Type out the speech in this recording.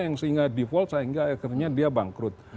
yang sehingga default sehingga akhirnya dia bangkrut